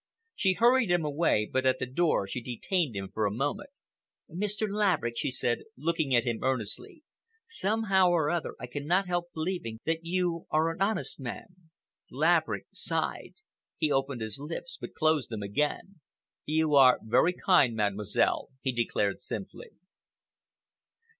She hurried him away, but at the door she detained him for a moment. "Mr. Laverick," she said, looking at him earnestly, "somehow or other I cannot help believing that you are an honest man." Laverick sighed. He opened his lips but closed them again. "You are very kind, Mademoiselle," he declared simply.